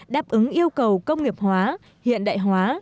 đáp ứng yêu cầu công nghiệp hóa hiện đại hóa